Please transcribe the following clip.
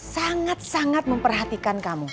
sangat sangat memperhatikan kamu